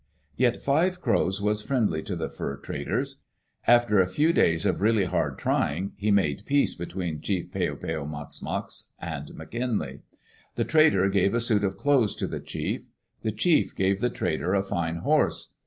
Yet Five Crows was friendly to the fur traders. After a few days of really hard trying, he made peace between Chief Peo peo mox mox and McKinlay. The trader gave a suit of clothes to the chief; the chief gave the trader a fine horse.